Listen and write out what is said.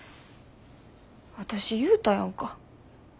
私言うたやんか。